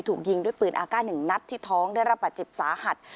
ถูกยิงด้วยปืนอากาศ๑นัดที่ท้องได้รับบาดเจ็บสาหัส